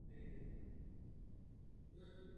Kvetou za čtyři až pět let.